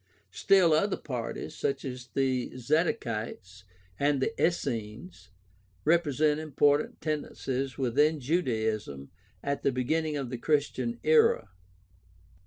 Still other parties, such as the Zadokites and the Essenes, represent important tendencies within Judaism at the beginning of the Chris tian era.